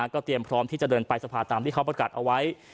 ก็เตรียมพร้อมที่จะเดินไปสภาตามที่เขาประกาศเอาไว้